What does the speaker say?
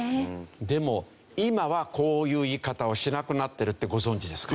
でも今はこういう言い方をしなくなってるってご存じですか？